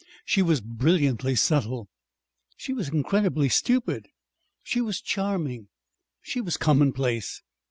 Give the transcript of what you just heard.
She was brilliantly subtle; she was incredibly stupid. She was charming; she was commonplace.